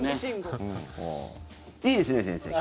いいですね、先生。